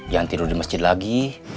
yang tidur di masjid lagi